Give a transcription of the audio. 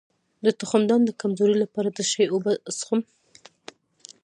د تخمدان د کمزوری لپاره د څه شي اوبه وڅښم؟